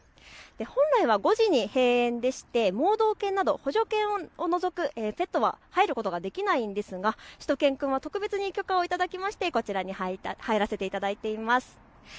本来は５時に閉園でして盲導犬など補助犬を除くペットは入ることができないんですがしゅと犬くんは特別に許可を頂きまして、こちらに入らさせていただいています。